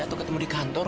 atau ketemu di kantor